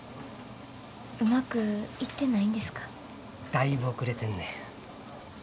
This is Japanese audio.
だいぶ遅れてんねん。